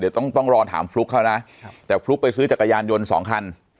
เดี๋ยวต้องต้องรอถามฟลุ๊กเขานะแต่ฟลุ๊กไปซื้อจักรยานยนต์สองคัน